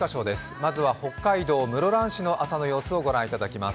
まずは北海道室蘭市の朝の様子を御覧いただきます。